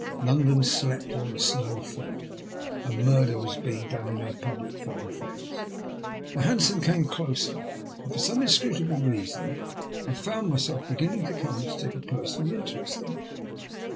London slept while the snow fell, and murder was being done in her public thoroughfares. The hansom came closer, and for some inscrutable reason I found myself beginning to take a personal interest in it.